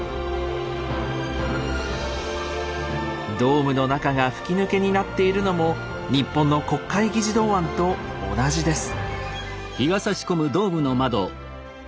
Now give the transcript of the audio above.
ドームの中が吹き抜けになっているのも日本の国会議事堂案と同じです。